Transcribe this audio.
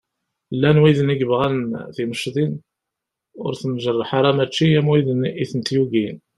Llan widen i yebɣan timecḍin ur ten-njerreḥ ara mačči am widen i tent-yugin.